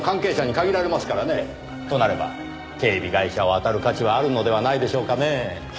となれば警備会社をあたる価値はあるのではないでしょうかねぇ。